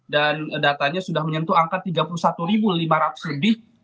dan datanya sudah menyentuh angka tiga puluh satu lima ratus lebih